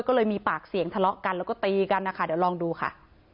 ก็เลยมีปากเสียงทะเลาะกันแล้วก็ตีกันนะคะเดี๋ยวลองดูค่ะ